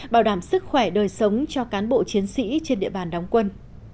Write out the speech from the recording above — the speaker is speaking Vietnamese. bảo đảm sức khỏe đời sống cho cán bộ chiến sĩ trên địa bàn đóng quân